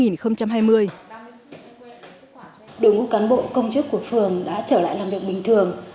đối với các bộ công chức của phường đã trở lại làm việc bình thường